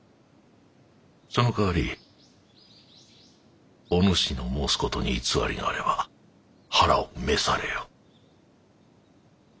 そのかわりお主の申す事に偽りがあれば腹を召されよ。